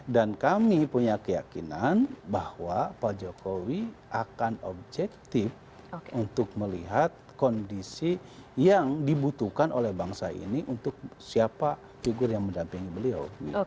dan kami punya keyakinan bahwa pak jokowi akan objektif untuk melihat kondisi yang dibutuhkan oleh bangsa ini untuk siapa figur yang mendampingi beliau